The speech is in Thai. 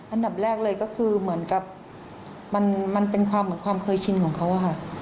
อันดับแรกเลยก็คือเหมือนกับมันเป็นความเหมือนความเคยชินของเขาค่ะ